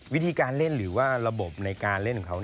วิธีการเล่นหรือว่าระบบในการเล่นของเขา